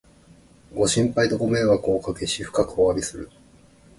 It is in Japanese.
ご心配とご迷惑をおかけし、深くおわびする